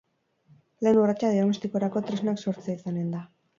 Lehen urratsa diagnostikorako tresnak sortzea izanen da.